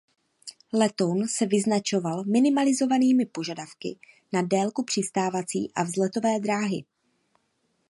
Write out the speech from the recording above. Letoun se vyznačoval minimalizovanými požadavky na délku přistávací a vzletové dráhy.